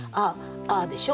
「ア」でしょ